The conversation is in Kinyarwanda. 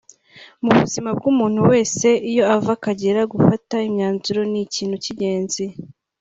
Mu buzima bw’umuntu wese iyo ava akagera gufata imyanzuro ni ikintu cy’ingenzi